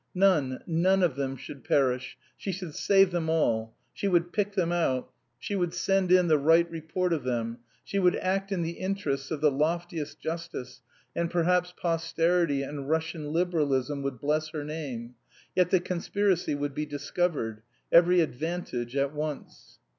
None, none of them should perish, she should save them all; she would pick them out; she would send in the right report of them; she would act in the interests of the loftiest justice, and perhaps posterity and Russian liberalism would bless her name; yet the conspiracy would be discovered. Every advantage at once.